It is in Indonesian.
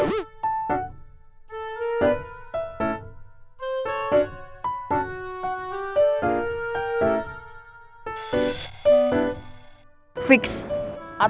gak usah sok cuek deh